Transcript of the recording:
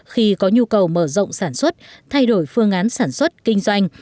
khi có nhu cầu mở rộng sản xuất thay đổi phương án sản xuất kinh doanh